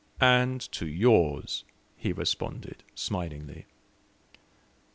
"And to yours!" he responded, smilingly.